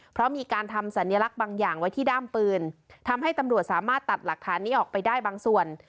เพราะมีการทำสัญลักษณ์บางอย่างไว้ที่ด้ามปืนทำให้ตำรวจสามารถตัดหลักฐานนี้ออกไปได้บางส่วน